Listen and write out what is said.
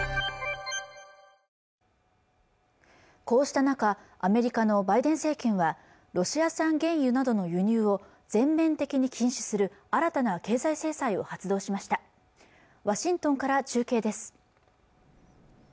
こうした中アメリカのバイデン政権はロシア産原油などの輸入を全面的に禁止する新たな経済制裁を発動しましたワシントンから中継です